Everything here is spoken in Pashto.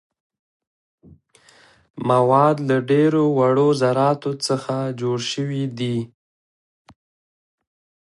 مواد له ډیرو وړو ذراتو څخه جوړ شوي دي.